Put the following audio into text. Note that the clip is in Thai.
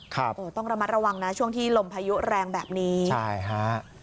โอ้ต้องระมัดระวังนะช่วงที่ลมพายุแรงแบบนี้ใช่ฮะ